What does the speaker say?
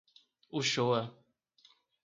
Uchoa